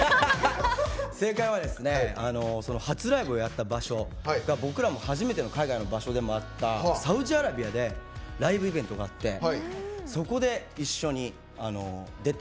正解は初ライブをやった場所が僕らも初めての海外の場所でもあったサウジアラビアでライブイベントがあってそこで一緒に出て。